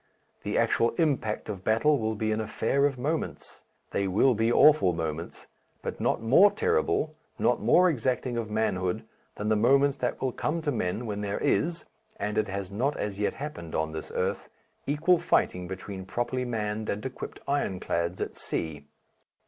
The actual impact of battle will be an affair of moments. They will be awful moments, but not more terrible, not more exacting of manhood than the moments that will come to men when there is and it has not as yet happened on this earth equal fighting between properly manned and equipped ironclads at sea.